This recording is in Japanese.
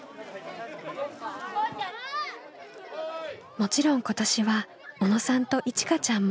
もちろん今年は小野さんといちかちゃんも。